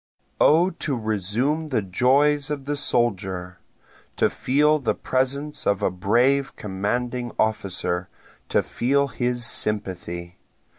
O to resume the joys of the soldier! To feel the presence of a brave commanding officer to feel his sympathy!